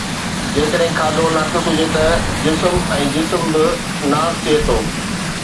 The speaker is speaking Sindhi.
جيڪڏهن کاڌو ناقص هجي ته جسم ۽ جسم به ناس ٿئي ٿو